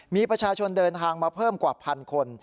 มีประชาชนเดินทางมาเพิ่มกว่าพันคน